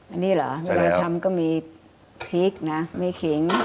อันนี้เหรอเวลาทำก็มีพริกนะมีขิง